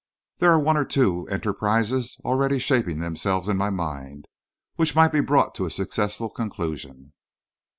There are one or two enterprises already shaping themselves in my mind, which might be brought to a successful conclusion."